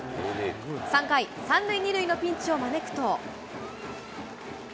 ３回、３塁２塁のピンチを招くと。